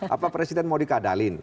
apa presiden mau dikadalin